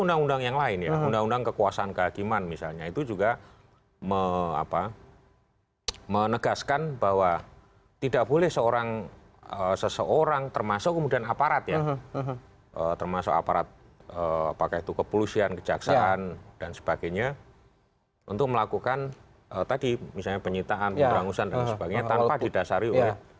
undang undang yang lain ya undang undang kekuasaan kehakiman misalnya itu juga menegaskan bahwa tidak boleh seseorang termasuk kemudian aparat ya termasuk aparat apakah itu kepolusian kejaksaan dan sebagainya untuk melakukan tadi misalnya penyitaan pemberangusan dan sebagainya tanpa didasari oleh